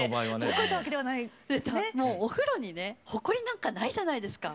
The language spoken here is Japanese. その場合はね。お風呂にねほこりなんかないじゃないですか。